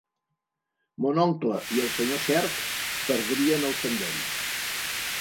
Mon oncle i el senyor Cerc perdrien el senderi.